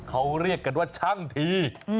เขาเรียกกันว่าช่างที